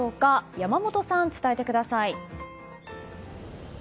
山本さん、伝えてください。